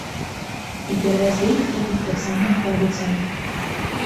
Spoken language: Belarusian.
І пераразлік зрабіць таксама не паабяцалі.